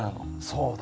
そうだよ。